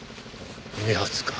２発か。